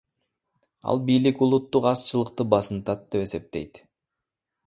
Ал бийлик улуттук азчылыкты басынтат деп эсептейт.